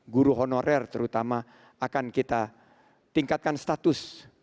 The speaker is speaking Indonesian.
guru honorer terutama akan kita tingkatkan status